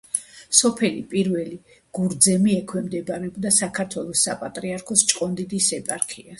სოფელი პირველი გურძემი ექვემდებარება საქართველოს საპატრიარქოს ჭყონდიდის ეპარქიას.